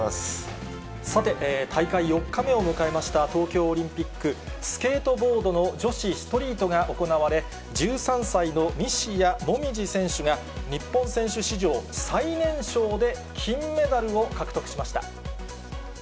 さて、大会４日目を迎えました東京オリンピック、スケートボードの女子ストリートが行われ、１３歳の西矢椛選手が、日本選手史上最年少で金メダルを獲得しました。